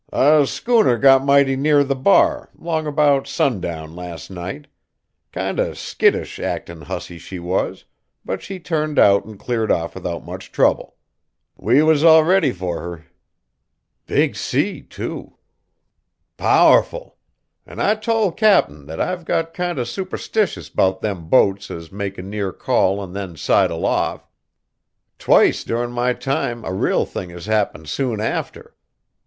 "A schooner got mighty near the bar 'long 'bout sundown last night. Kinder skittish actin' hussy she was, but she turned out an' cleared off without much trouble. We was all ready fur her." "Big sea, too!" "Powerful! An' I tole Cap'n that I've got kind o' superstitious 'bout them boats as make a near call an' then sidle off. Twict durin' my time a real thing has happened soon after.